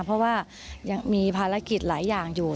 เพราะว่ายังมีภารกิจหลายอย่างอยู่